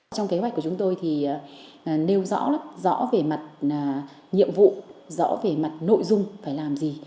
trong kế hoạch của chúng tôi thì nêu rõ rõ về mặt nhiệm vụ rõ về mặt nội dung phải làm gì